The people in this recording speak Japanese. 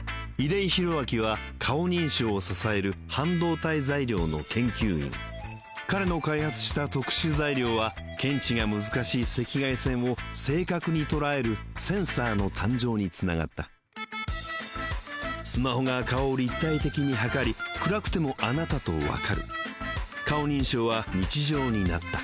出井宏明は顔認証を支える半導体材料の研究員彼の開発した特殊材料は検知が難しい赤外線を正確に捉えるセンサーの誕生につながったスマホが顔を立体的に測り暗くてもあなたとわかる顔認証は日常になった